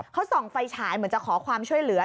เขาส่องไฟฉายเหมือนจะขอความช่วยเหลือ